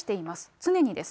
常にです。